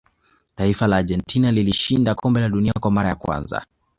taifa la argentina lilishinda kombe la dunia kwa mara ya kwanza